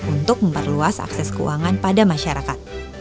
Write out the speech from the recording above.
untuk memperluas akses keuangan pada masyarakat